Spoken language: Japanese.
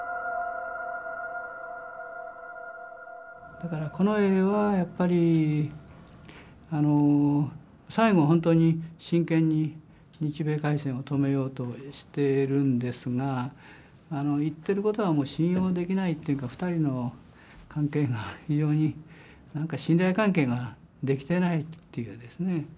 だから近衛はやっぱり最後本当に真剣に日米開戦を止めようとしてるんですが言ってることはもう信用できないっていうか２人の関係が非常になんか信頼関係ができてないっていうですね。